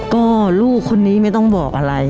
ก็ลูกคนนี้ไม่ต้องบอกอะไร